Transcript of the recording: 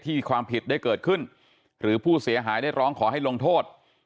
ความผิดได้เกิดขึ้นหรือผู้เสียหายได้ร้องขอให้ลงโทษ